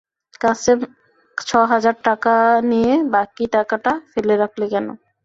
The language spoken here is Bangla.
কাসেম ছ হাজার টাকা নিয়ে বাকি টাকাটা ফেলে রাখলে কেন?